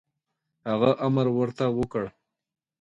هغه امر ورته وکړ.